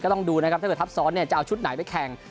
ต้องดูนะครับถ้าเกิดทับซ้อนเนี่ยจะเอาชุดไหนไปแข่ง